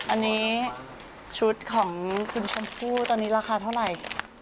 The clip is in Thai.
อันนี้ชุดของคุณชมพู่ตอนนี้ราคาเท่าไหร่